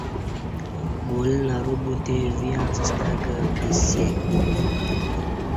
گل نرو بوتہ ویں اڅستہ کہ بسیا